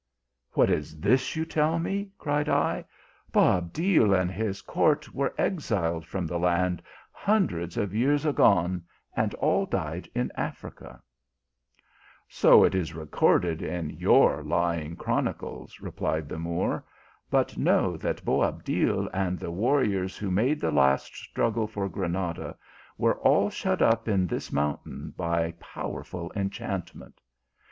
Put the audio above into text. " What is this you tell me ! cried I. Boabdil and his court were exiled from the land hundreds of years agone, and all died in Africa. GOVERNOR MANGO AND SOLDIER. 259 " So it is recorded in your lying 1 chronicles, re plied the Moor, but know that Boabdil and the war riors who made the last struggle tor Granada were all shut up in this mountain by powerful enchant ment.